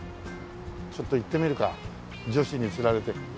ちょっと行ってみるか女子につられて。